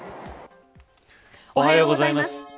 おはようございます。